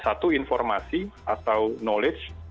satu informasi atau knowledge